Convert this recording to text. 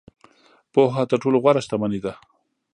• پوهه تر ټولو غوره شتمني ده.